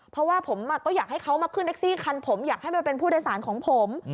เพราะว่าผมก็อยากให้เขามาขึ้นแท็กซี่คันผมอยากให้มันเป็นผู้โดยสารของผม